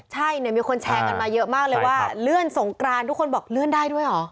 ใช่เนี่ยมีคนแชร์กันมาเยอะมากเลยว่าเลื่อนสงกรานทุกคนบอกเลื่อนได้ด้วยเหรอ